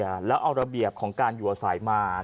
สุดทนแล้วกับเพื่อนบ้านรายนี้ที่อยู่ข้างกัน